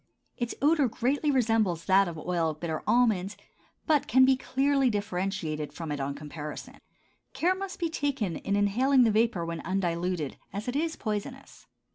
Its odor greatly resembles that of oil of bitter almonds, but can be clearly differentiated from it on comparison. Care must be taken in inhaling the vapor when undiluted, as it is poisonous.